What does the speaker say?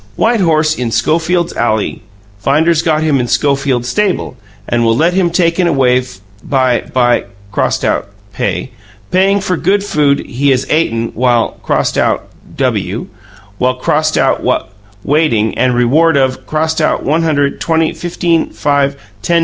White horse in Schofields ally finders got him in Schofields stable and will let him taken away by by (crossed out: pay) paying for good food he has aten while (crossed out: wat w) while (crossed out: wat) waiting and Reward of (crossed out: $100 $20 $15 $5) $10.